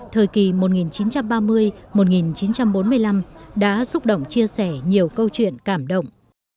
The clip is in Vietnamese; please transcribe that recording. thời kỳ một nghìn chín trăm ba mươi một nghìn chín trăm bốn mươi năm đã xúc động chia sẻ nhiều câu chuyện cảm động